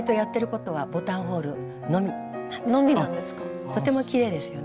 とてもきれいですよね。